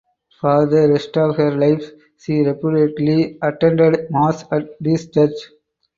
For the rest of her life she reputedly attended Mass at this church.